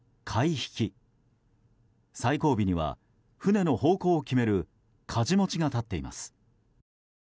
引き最後尾には船の方向を決めるかじ持ちが立っています。